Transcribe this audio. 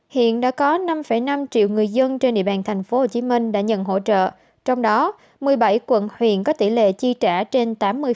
hiện đã có năm năm triệu người dân trên địa bàn tp hcm đã nhận hỗ trợ trong đó một mươi bảy quận huyện có tỷ lệ chi trả trên tám mươi